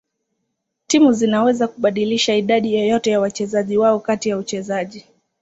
Timu zinaweza kubadilisha idadi yoyote ya wachezaji wao kati ya uchezaji.